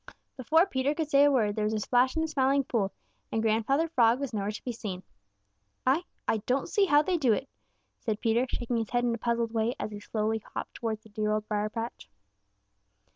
Before Peter could say a word, there was a splash in the Smiling Pool, and Grandfather Frog was nowhere to be seen. "I I don't see how they do it," said Peter, shaking his head in a puzzled way as he slowly hopped towards the dear Old Briar patch.